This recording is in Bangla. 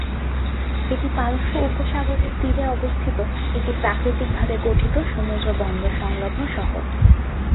এটি পারস্য উপসাগরের তীরে অবস্থিত একটি প্রাকৃতিকভাবে গঠিত সমুদ্র বন্দর সংলগ্ন শহর।